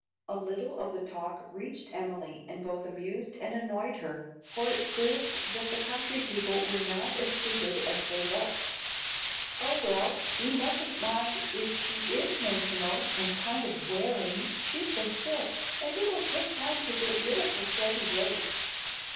A little of the talk reached Emily and both amused and annoyed her, for it proved that the country people were not as stupid as they looked. "Oh, well, we mustn't mind if she IS notional and kind of wearing; she's been sick, and it will take time to get rid of her fretty ways.